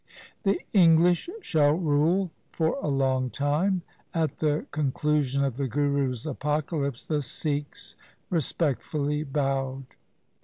1 The English shall rule for a long time.' 2 At the con clusion of the Guru's apocalypse the Sikhs respect fully bowed.